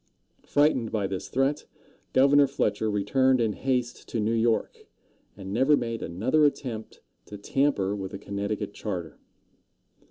Frightened by this threat, Governor Fletcher returned in haste to New York, and never made another attempt to tamper with the Connecticut charter.